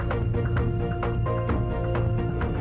mereka ongkir monyet